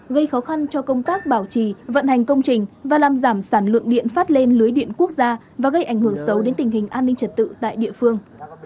gây khó khăn cho công tác bảo trì vận hành công trình và làm giảm sản lượng điện phát lên lưới điện quốc gia và gây ảnh hưởng xấu đến tình hình an ninh trật tự tại địa phương